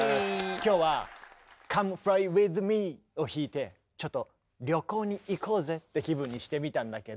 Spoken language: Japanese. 今日は「ＣｏｍｅＦｌｙＷｉｔｈＭｅ」を弾いてちょっと旅行に行こうぜって気分にしてみたんだけど。